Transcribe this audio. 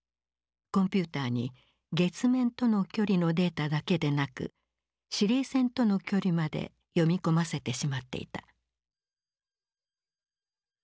コンピューターに月面との距離のデータだけでなく司令船との距離まで読み込ませてしまっていた。